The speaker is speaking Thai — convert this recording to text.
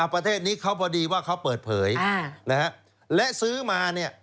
ประเทศนี้เขาพอดีว่าเขาเปิดเผยและซื้อมาเนี่ย